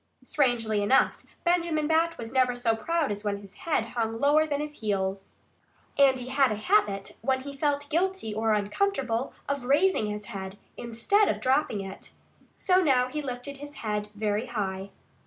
Strangely enough, Benjamin Bat was never so proud as when his head hung lower than his heels. And he had a habit, when he felt guilty or uncomfortable, of RAISING his head, instead of dropping it. So now he lifted his head very high.